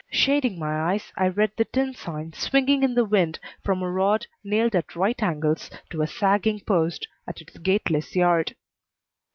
Shading my eyes, I read the tin sign swinging in the wind from a rod nailed at right angles to a sagging post at its gateless yard.